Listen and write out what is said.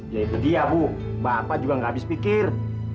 ya itu dia bu bapak juga gak habis pikir